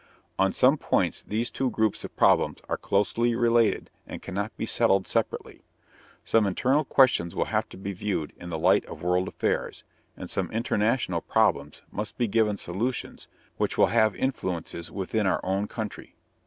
On some points these two groups of problems are closely related and cannot be settled separately. Some internal questions will have to be viewed in the light of world affairs; and some international problems must be given solutions which will have influences within our own country.